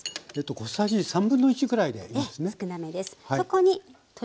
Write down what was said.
小さじ1/3ぐらいでいいんですね。